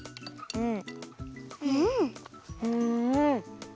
うん！